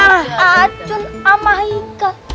eh acun sama hika